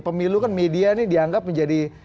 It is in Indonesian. pemilu kan media ini dianggap menjadi